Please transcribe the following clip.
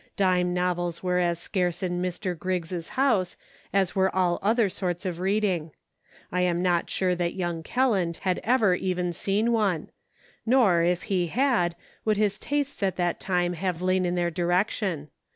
Dime novels were as scarce in Mr. Griggs' house as were all other sorts of reading. I am not sure that young Kelland had ever even seen one ; nor, if he had, would his tastes at that time have lain in their direction.